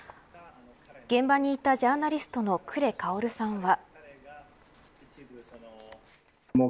現場にいたジャーナリストのクレ・カオルさんは。